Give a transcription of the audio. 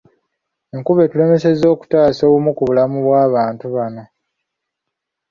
Enkuba etulemesezza okutaasa obumu ku bulamu bw'abantu bano.